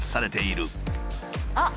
あっ！